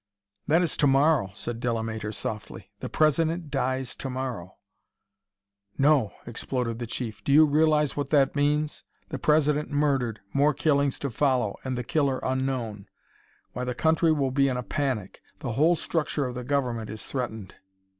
"That is to morrow," said Delamater softly. "The President dies to morrow." "No!" exploded the Chief. "Do you realize what that means? The President murdered more killings to follow and the killer unknown! Why the country will be in a panic: the whole structure of the Government is threatened!"